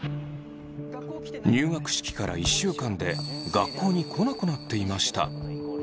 入学式から１週間で学校に来なくなっていました。